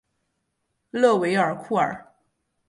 勒韦尔库尔。